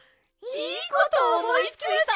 いいことおもいついた！